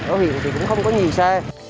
ở huyện thì cũng không có gì xa